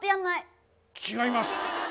違います。